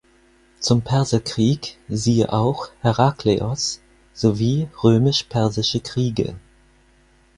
Zum Perserkrieg siehe auch Herakleios sowie Römisch-Persische Kriege.